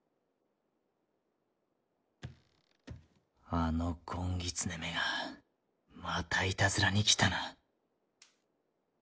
あのごんぎつねめがまたいたずらに来たな。